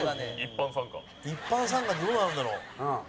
「一般参加でどうなるんだろう？」